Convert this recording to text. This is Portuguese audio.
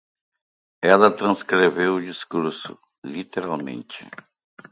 Ela transcreveu o discurso, literalmente